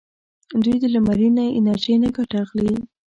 دوی د لمرینه انرژۍ نه ګټه اخلي.